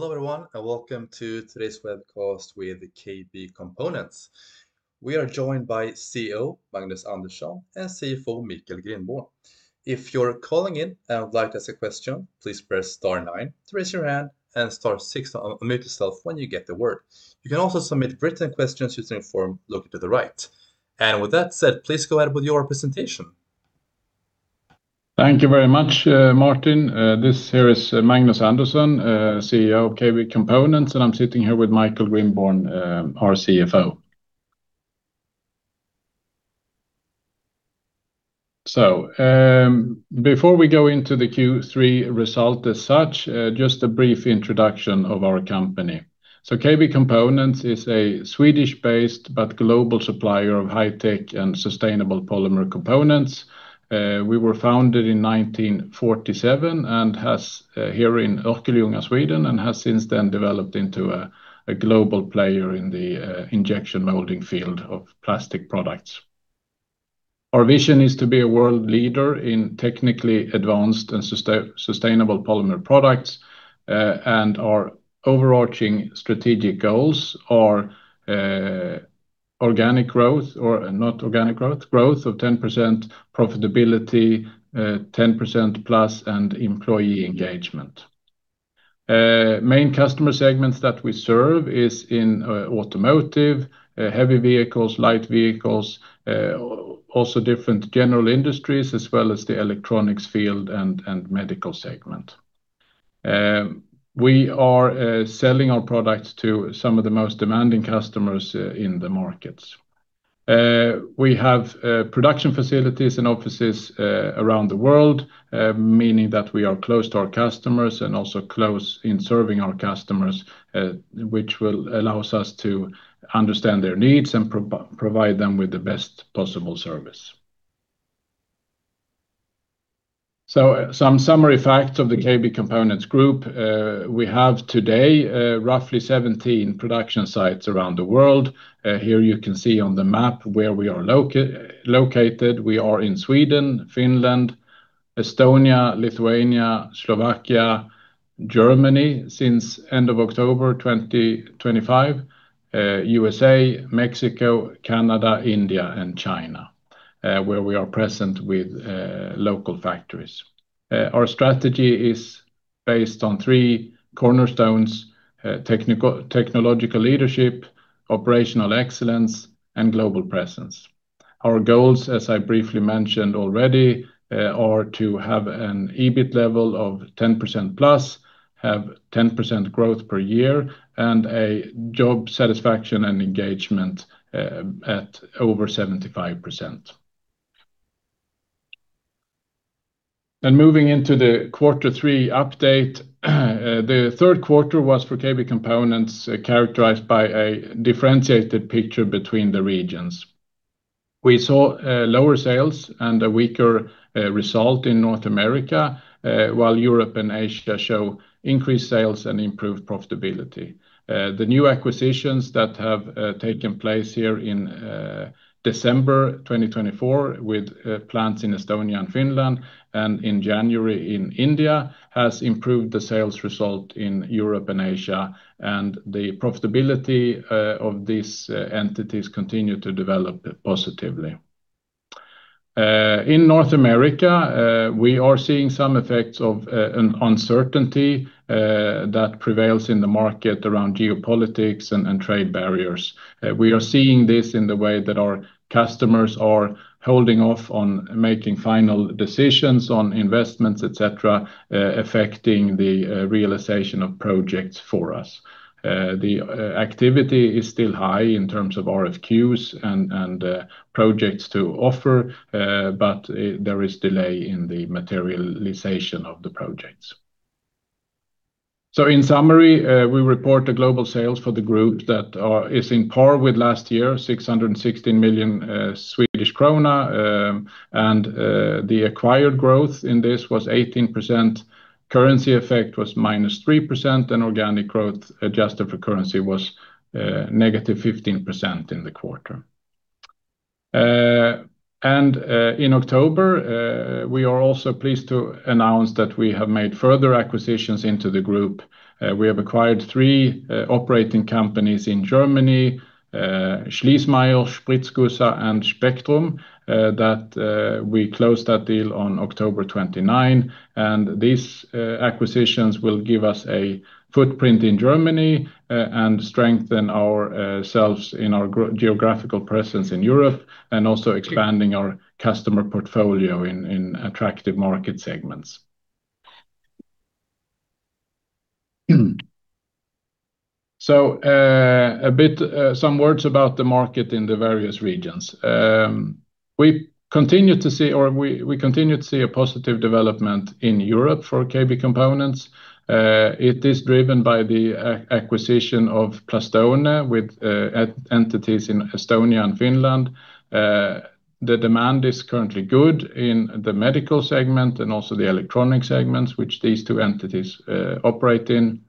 Hello, everyone, and welcome to today's webcast with KB Components. We are joined by CEO Magnus Andersson and CFO Michael Grindborn. If you're calling in and would like to ask a question, please press star nine to raise your hand and star six to unmute yourself when you get the word. You can also submit written questions using the form located to the right. With that said, please go ahead with your presentation. Thank you very much, Martin. This here is Magnus Andersson, CEO of KB Components, and I'm sitting here with Michael Grindborn, our CFO. Before we go into the Q3 result as such, just a brief introduction of our company. KB Components is a Swedish-based but global supplier of high-tech and sustainable polymer components. We were founded in 1947 here in Örkelljunga, Sweden, and have since then developed into a global player in the injection molding field of plastic products. Our vision is to be a world leader in technically advanced and sustainable polymer products, and our overarching strategic goals are organic growth, growth of 10%, profitability 10% plus, and employee engagement. Main customer segments that we serve is in automotive, heavy vehicles, light vehicles, also different general industries, as well as the electronics field and medical segment. We are selling our products to some of the most demanding customers in the markets. We have production facilities and offices around the world, meaning that we are close to our customers and also close in serving our customers, which will allow us to understand their needs and provide them with the best possible service. Some summary facts of the KB Components Group. We have today roughly 17 production sites around the world. Here you can see on the map where we are located. We are in Sweden, Finland, Estonia, Lithuania, Slovakia, Germany since the end of October 2025, USA, Mexico, Canada, India and China, where we are present with local factories. Our strategy is based on three cornerstones: technological leadership, operational excellence, and global presence. Our goals, as I briefly mentioned already, are to have an EBIT level of 10% plus, have 10% growth per year, and a job satisfaction and engagement at over 75%. Moving into the quarter three update, the third quarter was for KB Components characterized by a differentiated picture between the regions. We saw lower sales and a weaker result in North America, while Europe and Asia show increased sales and improved profitability. The new acquisitions that have taken place here in December 2024, with plants in Estonia and Finland and in January in India, have improved the sales result in Europe and Asia, and the profitability of these entities continued to develop positively. In North America, we are seeing some effects of uncertainty that prevails in the market around geopolitics and trade barriers. We are seeing this in the way that our customers are holding off on making final decisions on investments, etc., affecting the realization of projects for us. The activity is still high in terms of RFQs and projects to offer, but there is delay in the materialization of the projects. In summary, we report the global sales for the group that is in par with last year, 616 million Swedish krona, and the acquired growth in this was 18%. Currency effect was minus 3%, and organic growth adjusted for currency was negative 15% in the quarter. In October, we are also pleased to announce that we have made further acquisitions into the group. We have acquired three operating companies in Germany: SCHLIESSMEYER, Spritzgussa, and Spectrum. We closed that deal on October 29, and these acquisitions will give us a footprint in Germany and strengthen ourselves in our geographical presence in Europe and also expanding our customer portfolio in attractive market segments. A bit, some words about the market in the various regions. We continue to see, or we continue to see a positive development in Europe for KB Components. It is driven by the acquisition of Plastone with entities in Estonia and Finland. The demand is currently good in the medical segment and also the electronic segments, which these two entities operate in.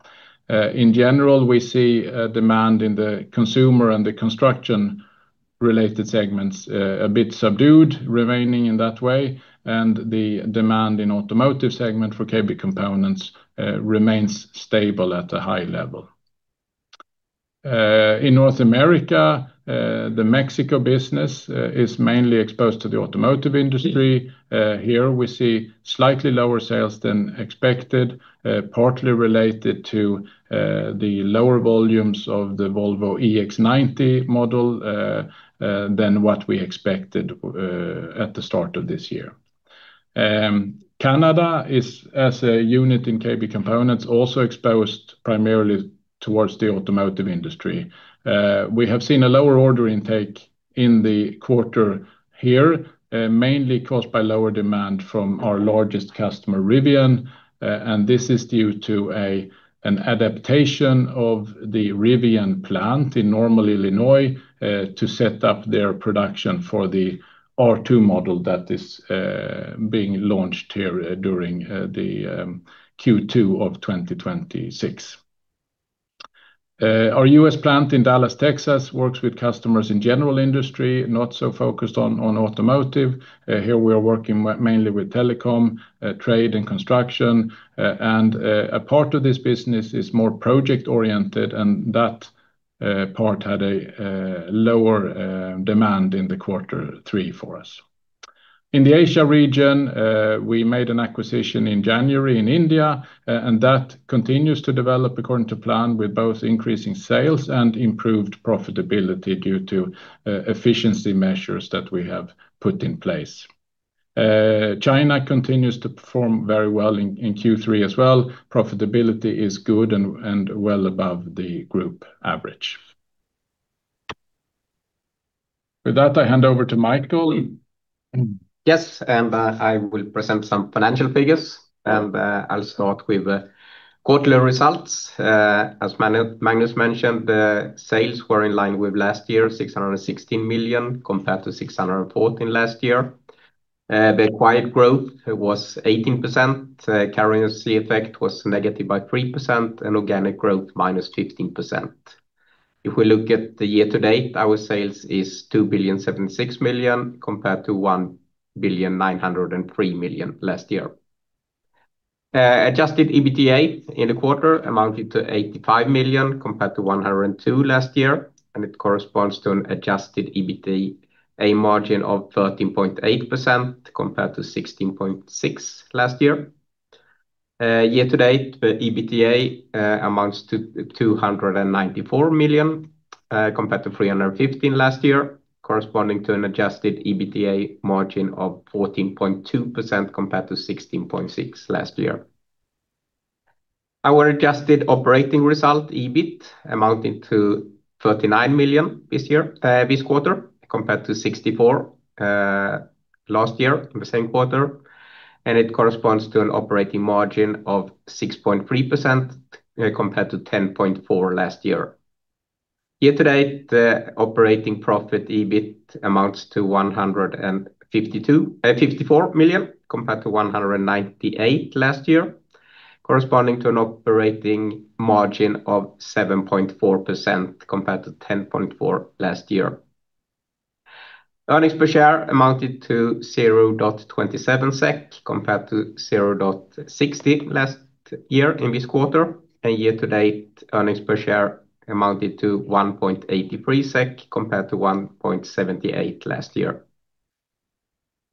In general, we see demand in the consumer and the construction-related segments a bit subdued, remaining in that way, and the demand in the automotive segment for KB Components remains stable at a high level. In North America, the Mexico business is mainly exposed to the automotive industry. Here we see slightly lower sales than expected, partly related to the lower volumes of the Volvo EX90 model than what we expected at the start of this year. Canada is, as a unit in KB Components, also exposed primarily towards the automotive industry. We have seen a lower order intake in the quarter here, mainly caused by lower demand from our largest customer, Rivian, and this is due to an adaptation of the Rivian Plant in Normal, Illinois, to set up their production for the R2 model that is being launched here during the Q2 of 2026. Our US plant in Dallas, Texas, works with customers in general industry, not so focused on automotive. Here we are working mainly with telecom, trade, and construction, and a part of this business is more project-oriented, and that part had a lower demand in the quarter three for us. In the Asia region, we made an acquisition in January in India, and that continues to develop according to plan, with both increasing sales and improved profitability due to efficiency measures that we have put in place. China continues to perform very well in Q3 as well. Profitability is good and well above the group average. With that, I hand over to Michael. Yes, and I will present some financial figures, and I'll start with quarterly results. As Magnus mentioned, the sales were in line with last year, 616 million compared to 614 million last year. The acquired growth was 18%, currency effect was negative by 3%, and organic growth minus 15%. If we look at the year-to-date, our sales is 2,076 million compared to 1,903 million last year. Adjusted EBITDA in the quarter amounted to 85 million compared to 102 million last year, and it corresponds to an adjusted EBITDA margin of 13.8% compared to 16.6% last year. Year-to-date, the EBITDA amounts to 294 million compared to 315 million last year, corresponding to an adjusted EBITDA margin of 14.2% compared to 16.6% last year. Our adjusted operating result, EBIT, amounted to 39 million this quarter compared to 64 million last year in the same quarter, and it corresponds to an operating margin of 6.3% compared to 10.4% last year. Year-to-date, the operating profit, EBIT, amounts to 154 million compared to 198 million last year, corresponding to an operating margin of 7.4% compared to 10.4% last year. Earnings per share amounted to 0.27 SEK compared to 0.60 last year in this quarter, and year-to-date earnings per share amounted to 1.83 SEK compared to 1.78 last year.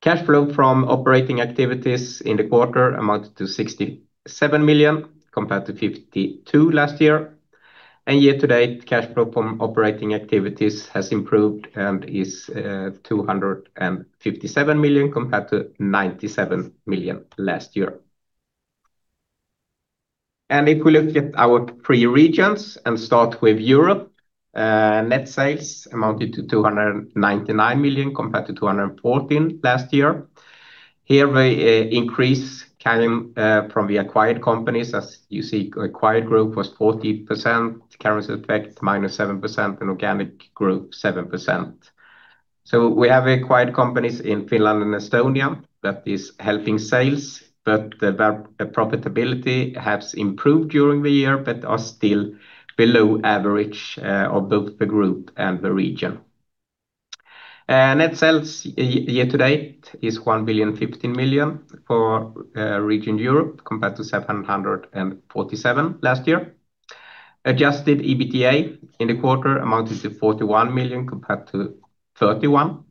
Cash flow from operating activities in the quarter amounted to 67 million compared to 52 million last year, and year-to-date cash flow from operating activities has improved and is 257 million compared to 97 million last year. If we look at our three regions and start with Europe, net sales amounted to 299 million compared to 214 million last year. Here we increase from the acquired companies, as you see, acquired group was 40%, currency effect minus 7%, and organic group 7%. We have acquired companies in Finland and Estonia that are helping sales, but their profitability has improved during the year but is still below average of both the group and the region. Net sales year-to-date is 1,015 million for region Europe compared to 747 million last year. Adjusted EBITDA in the quarter amounted to SEK 41 million compared to 31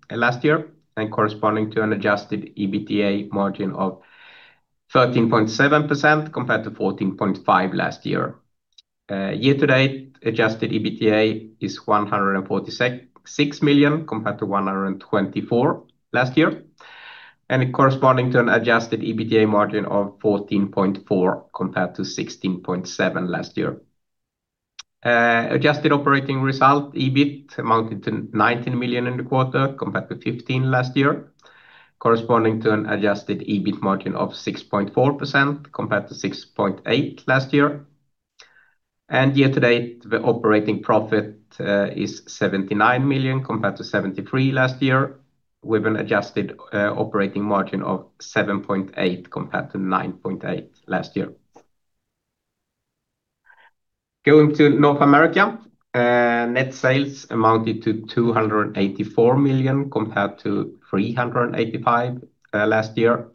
million last year and corresponding to an adjusted EBITDA margin of 13.7% compared to 14.5% last year. Year-to-date adjusted EBITDA is 146 million compared to 124 million last year and corresponding to an adjusted EBITDA margin of 14.4% compared to 16.7% last year. Adjusted operating result, EBIT, amounted to 19 million in the quarter compared to 15 million last year, corresponding to an adjusted EBIT margin of 6.4% compared to 6.8% last year. Year-to-date, the operating profit is 79 million compared to 73 million last year, with an adjusted operating margin of 7.8% compared to 9.8% last year. Going to North America, net sales amounted to 284 million compared to 385 million last year.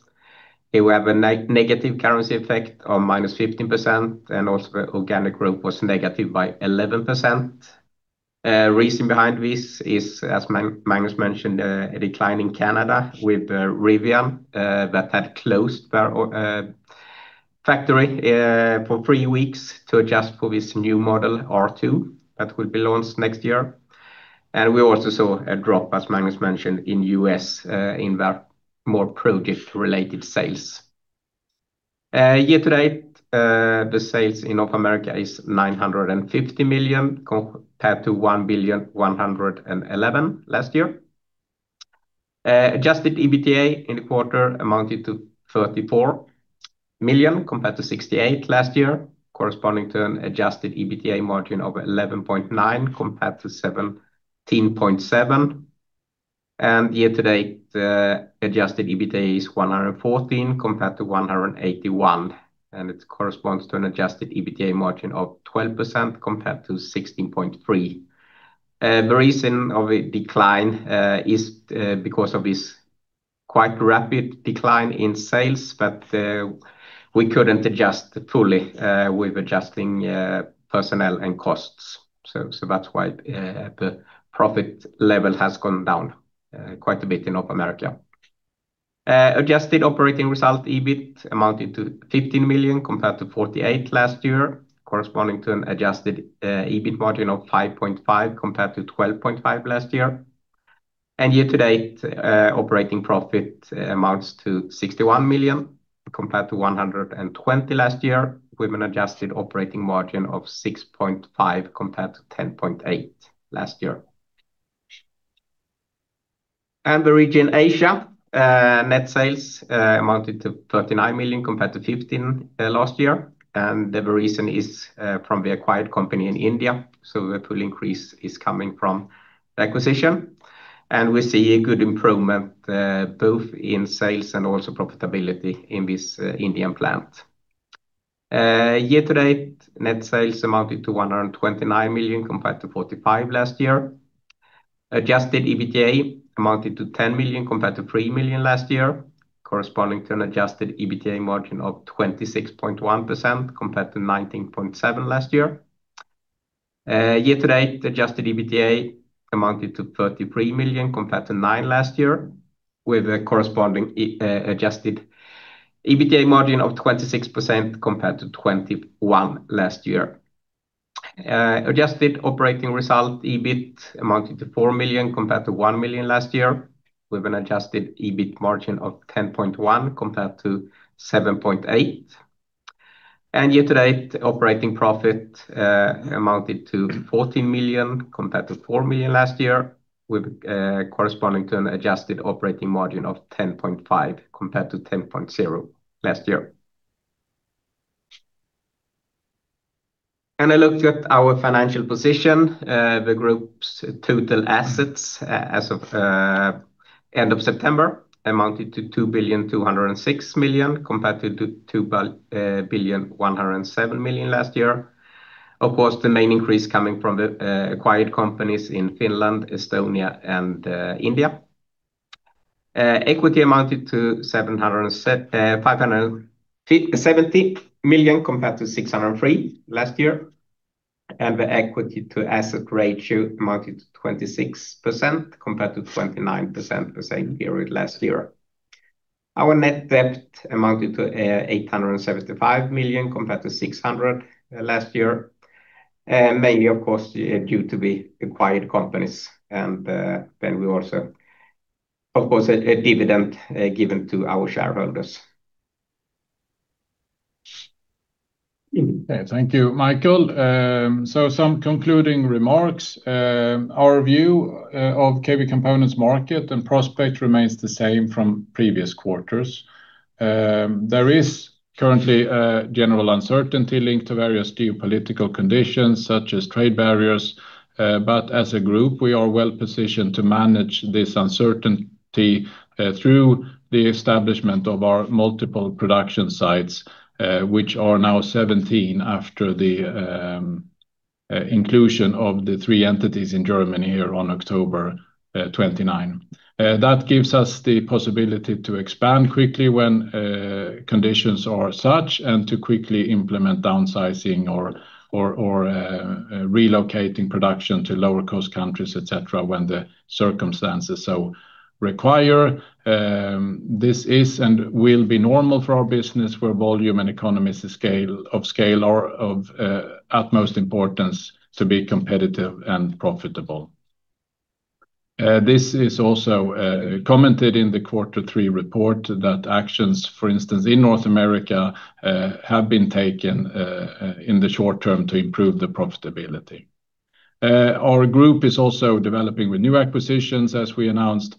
We have a negative currency effect of minus 15%, and also the organic group was negative by 11%. The reason behind this is, as Magnus mentioned, a decline in Canada with Rivian that had closed their factory for three weeks to adjust for this new model R2 that will be launched next year. We also saw a drop, as Magnus mentioned, in the U.S. in their more project-related sales. Year-to-date, the sales in North America is 950 million compared to 1,111 million last year. Adjusted EBITDA in the quarter amounted to 34 million compared to 68 million last year, corresponding to an adjusted EBITDA margin of 11.9% compared to 17.7%. Year-to-date, the adjusted EBITDA is 114 million compared to 181 million, and it corresponds to an adjusted EBITDA margin of 12% compared to 16.3%. The reason of the decline is because of this quite rapid decline in sales, but we could not adjust fully with adjusting personnel and costs. That is why the profit level has gone down quite a bit in North America. Adjusted operating result, EBIT, amounted to 15 million compared to 48 million last year, corresponding to an adjusted EBIT margin of 5.5% compared to 12.5% last year. Year-to-date, operating profit amounts to 61 million compared to 120 million last year, with an adjusted operating margin of 6.5% compared to 10.8% last year. The region Asia, net sales amounted to 39 million compared to 15 million last year, and the reason is from the acquired company in India, so the full increase is coming from the acquisition. We see a good improvement both in sales and also profitability in this Indian plant. Year-to-date, net sales amounted to 129 million compared to 45 million last year. Adjusted EBITDA amounted to 10 million compared to 3 million last year, corresponding to an adjusted EBITDA margin of 26.1% compared to 19.7% last year. Year-to-date, adjusted EBITDA amounted to 33 million compared to 9 million last year, with a corresponding adjusted EBITDA margin of 26% compared to 21% last year. Adjusted operating result, EBIT, amounted to 4 million compared to 1 million last year, with an adjusted EBIT margin of 10.1% compared to 7.8%. Year-to-date, operating profit amounted to 14 million compared to 4 million last year, corresponding to an adjusted operating margin of 10.5% compared to 10.0% last year. I looked at our financial position. The group's total assets as of end of September amounted to 2,206 million compared to 2,107 million last year. The main increase coming from the acquired companies in Finland, Estonia, and India. Equity amounted to 570 million compared to 603 million last year, and the equity-to-asset ratio amounted to 26% compared to 29% the same period last year. Our net debt amounted to 875 million compared to 600 million last year, mainly, of course, due to the acquired companies and then we also, of course, a dividend given to our shareholders. Thank you, Michael. Some concluding remarks. Our view of KB Components' market and prospect remains the same from previous quarters. There is currently a general uncertainty linked to various geopolitical conditions such as trade barriers, but as a group, we are well positioned to manage this uncertainty through the establishment of our multiple production sites, which are now 17 after the inclusion of the three entities in Germany here on October 29. That gives us the possibility to expand quickly when conditions are such and to quickly implement downsizing or relocating production to lower-cost countries, etc., when the circumstances so require. This is and will be normal for our business where volume and economies of scale are of utmost importance to be competitive and profitable. This is also commented in the quarter three report that actions, for instance, in North America have been taken in the short term to improve the profitability. Our group is also developing with new acquisitions, as we announced,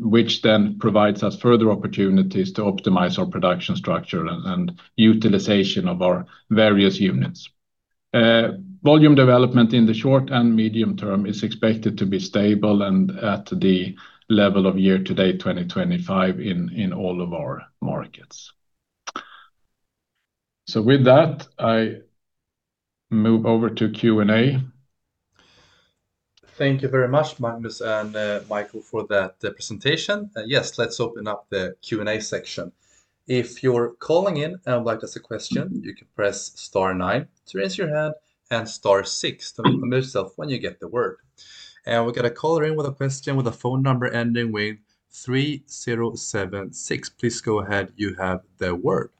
which then provides us further opportunities to optimize our production structure and utilization of our various units. Volume development in the short and medium term is expected to be stable and at the level of year-to-date 2025 in all of our markets. With that, I move over to Q&A. Thank you very much, Magnus and Michael, for that presentation. Yes, let's open up the Q&A section. If you're calling in and would like to ask a question, you can press star nine to raise your hand and star six to unmute yourself when you get the word. We have a caller in with a question with a phone number ending with 3076. Please go ahead. You have the word.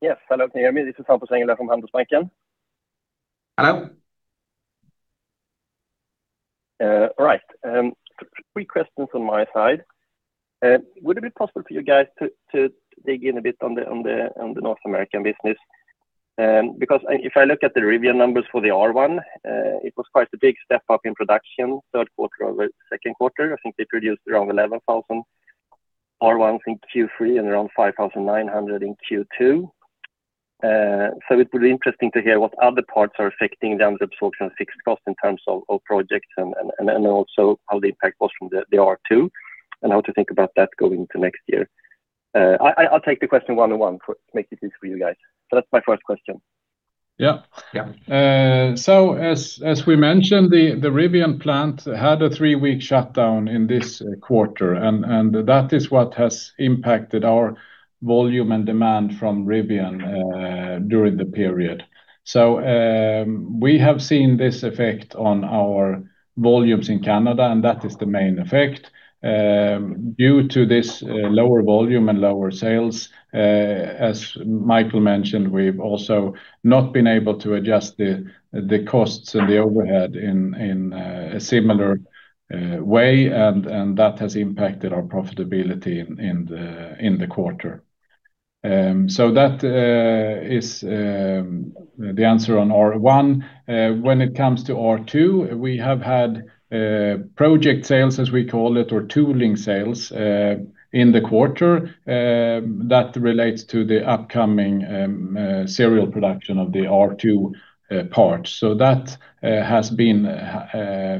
Yes, hello, can you hear me? This is Hampus Engel from Handelsbanken. Hello. All right, three questions on my side. Would it be possible for you guys to dig in a bit on the North American business? Because if I look at the Rivian numbers for the R1, it was quite a big step up in production third quarter over second quarter. I think they produced around 11,000 R1s in Q3 and around 5,900 in Q2. It would be interesting to hear what other parts are affecting the underabsorption of fixed costs in terms of projects and also how the impact was from the R2 and how to think about that going into next year. I'll take the question one-on-one to make it easy for you guys. That is my first question. Yeah. As we mentioned, the Rivian plant had a three-week shutdown in this quarter, and that is what has impacted our volume and demand from Rivian during the period. We have seen this effect on our volumes in Canada, and that is the main effect. Due to this lower volume and lower sales, as Michael mentioned, we have also not been able to adjust the costs and the overhead in a similar way, and that has impacted our profitability in the quarter. That is the answer on R1. When it comes to R2, we have had project sales, as we call it, or tooling sales in the quarter that relates to the upcoming serial production of the R2 parts. That has been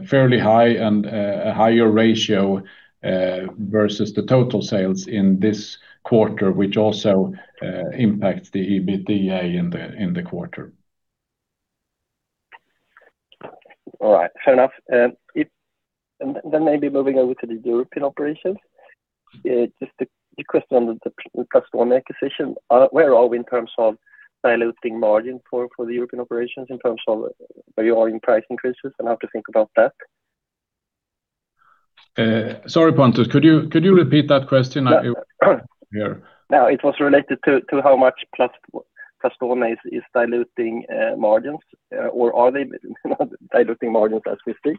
fairly high and a higher ratio versus the total sales in this quarter, which also impacts the EBITDA in the quarter. All right, fair enough. Maybe moving over to the European operations, just a question on the platform acquisition. Where are we in terms of diluting margin for the European operations in terms of where you are in price increases and how to think about that? Sorry, Hampus, could you repeat that question? Now, it was related to how much Platform is diluting margins or are they diluting margins as we speak?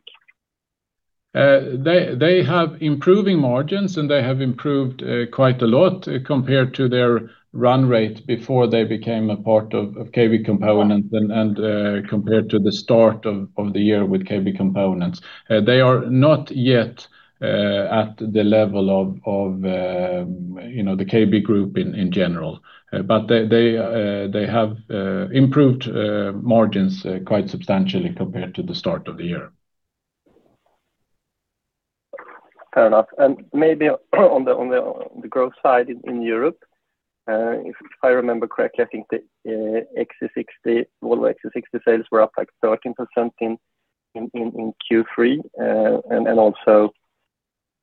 They have improving margins, and they have improved quite a lot compared to their run rate before they became a part of KB Components and compared to the start of the year with KB Components. They are not yet at the level of the KB Group in general, but they have improved margins quite substantially compared to the start of the year. Fair enough. Maybe on the growth side in Europe, if I remember correctly, I think the Volvo XC60 sales were up 13% in Q3. Also,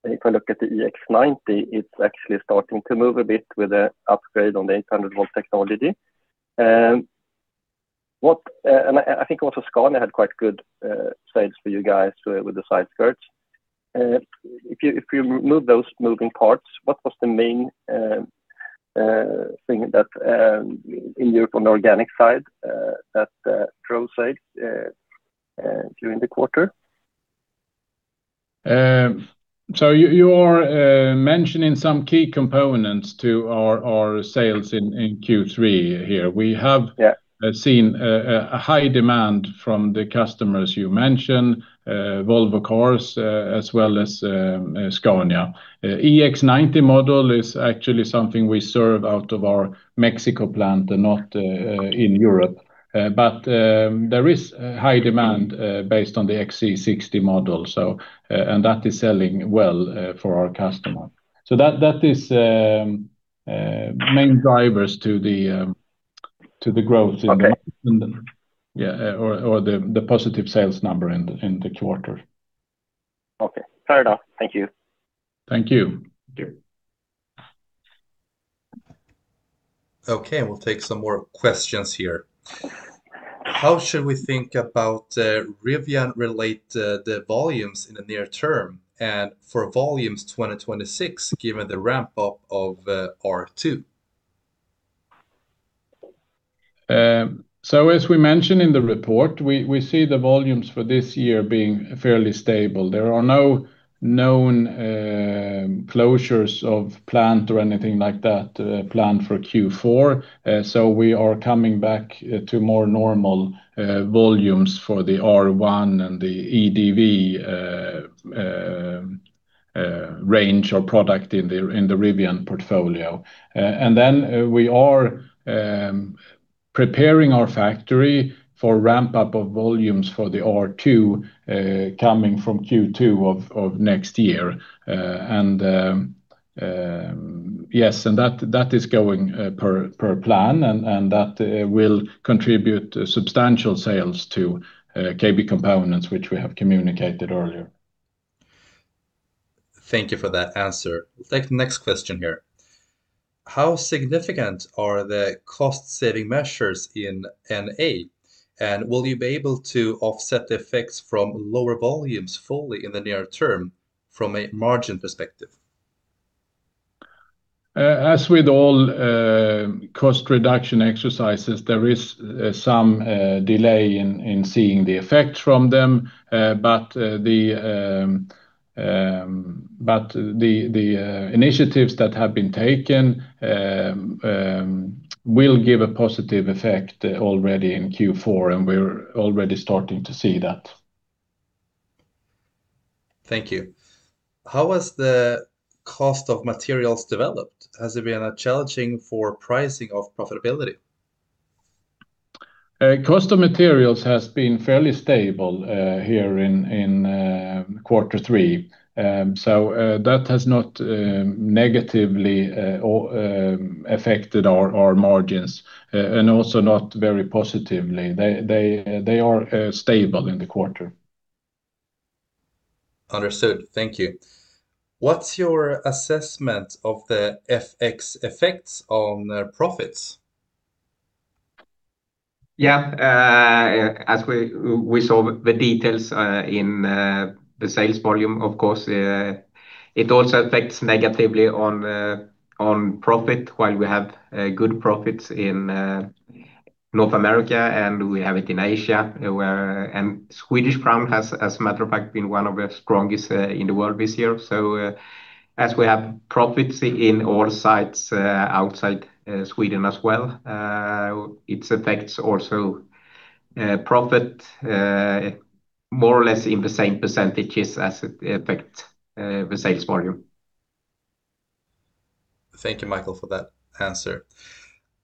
if I look at the EX90, it's actually starting to move a bit with the upgrade on the 800-volt technology. I think also Scania had quite good sales for you guys with the side skirts. If you remove those moving parts, what was the main thing in Europe on the organic side that drove sales during the quarter? You are mentioning some key components to our sales in Q3 here. We have seen a high demand from the customers you mentioned, Volvo Cars, as well as Scania. EX90 model is actually something we serve out of our Mexico plant and not in Europe, but there is high demand based on the XC60 model, and that is selling well for our customers. That is main drivers to the growth or the positive sales number in the quarter. Okay, fair enough. Thank you. Thank you. Okay, we'll take some more questions here. How should we think about Rivian-related volumes in the near term and for volumes 2026 given the ramp-up of R2? As we mentioned in the report, we see the volumes for this year being fairly stable. There are no known closures of plant or anything like that planned for Q4. We are coming back to more normal volumes for the R1 and the EDV range or product in the Rivian portfolio. We are preparing our factory for ramp-up of volumes for the R2 coming from Q2 of next year. Yes, that is going per plan, and that will contribute substantial sales to KB Components, which we have communicated earlier. Thank you for that answer. Next question here. How significant are the cost-saving measures in NA, and will you be able to offset the effects from lower volumes fully in the near term from a margin perspective? As with all cost reduction exercises, there is some delay in seeing the effect from them, but the initiatives that have been taken will give a positive effect already in Q4, and we're already starting to see that. Thank you. How has the cost of materials developed? Has it been challenging for pricing or profitability? Cost of materials has been fairly stable here in quarter three. That has not negatively affected our margins and also not very positively. They are stable in the quarter. Understood. Thank you. What's your assessment of the FX effects on profits? Yeah, as we saw the details in the sales volume, of course, it also affects negatively on profit while we have good profits in North America and we have it in Asia. Swedish krona has, as a matter of fact, been one of the strongest in the world this year. As we have profits in all sites outside Sweden as well, it affects also profit more or less in the same % as it affects the sales volume. Thank you, Michael, for that answer.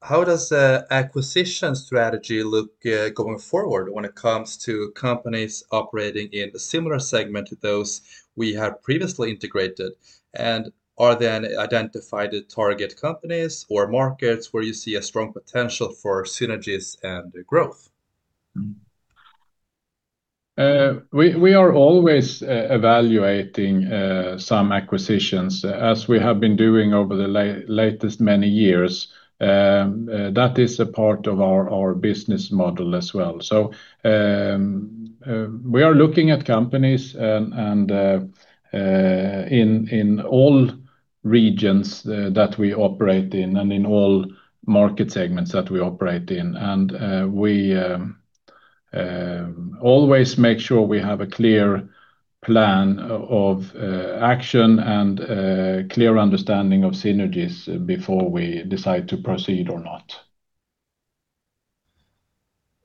How does the acquisition strategy look going forward when it comes to companies operating in a similar segment to those we have previously integrated? Are there identified target companies or markets where you see a strong potential for synergies and growth? We are always evaluating some acquisitions as we have been doing over the latest many years. That is a part of our business model as well. We are looking at companies in all regions that we operate in and in all market segments that we operate in. We always make sure we have a clear plan of action and clear understanding of synergies before we decide to proceed or not.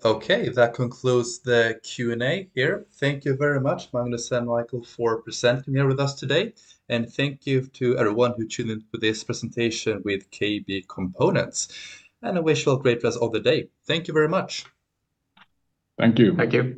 Okay, that concludes the Q&A here. Thank you very much, Magnus and Michael, for presenting here with us today. Thank you to everyone who tuned in for this presentation with KB Components. I wish you all a great rest of the day. Thank you very much. Thank you. Thank you.